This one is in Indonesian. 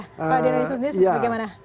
kalau di indonesia sendiri bagaimana